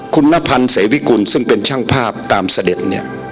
คุณนพันธ์เสวิกุลซึ่งเป็นช่างภาพตามเสด็จเนี่ย